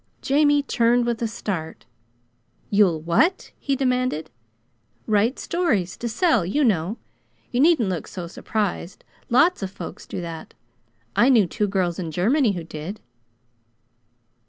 Jamie turned with a start. "You'll what?" he demanded. "Write stories to sell, you know. You needn't look so surprised! Lots of folks do that. I knew two girls in Germany who did."